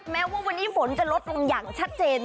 แม้ว่าวันนี้ฝนจะลดลงอย่างชัดเจน